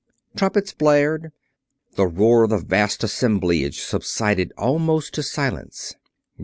Trumpets blared; the roar of the vast assemblage subsided almost to silence.